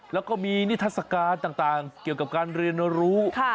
แล้วก็มีนิทัศกาลต่างเกี่ยวกับการเรียนรู้